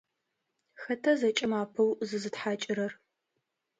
Хэта зэкӏэм апэу зызытхьакӏырэр?